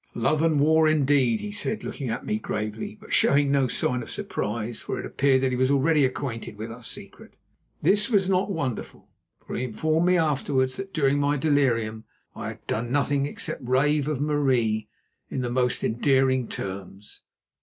"Love and war indeed!" he said, looking at me gravely, but showing no sign of surprise, for it appeared that he was already acquainted with our secret. This was not wonderful, for he informed me afterwards that during my delirium I had done nothing except rave of Marie in the most endearing terms.